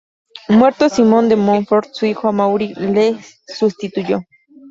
Muerto Simón de Monfort, su hijo Amaury le sustituyó.